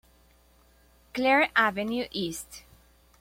Clair Avenue East.